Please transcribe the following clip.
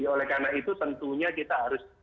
oleh karena itu tentunya kita harus